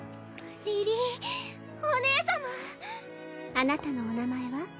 リリィーお姉様あなたのお名前は？